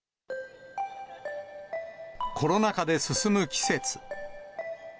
コロナ禍で進む季節。